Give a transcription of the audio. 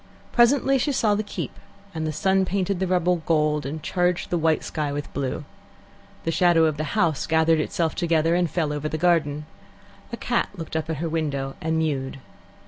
Presently she saw the keep, and the sun painted the rubble gold, and charged the white sky with blue. The shadow of the house gathered itself together and fell over the garden. A cat looked up at her window and mewed.